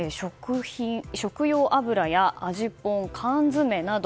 食用油や、味ぽん缶詰など。